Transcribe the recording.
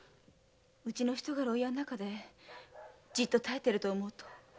うちの人が牢屋の中でじっと耐えてると思うと。